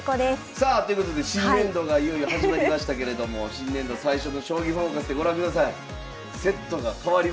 さあということで新年度がいよいよ始まりましたけれども新年度最初の「将棋フォーカス」でご覧ください。